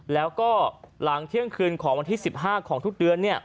แล้วก็หลังเที่ยงคืนของวันที่๑๕ของทุกเดือน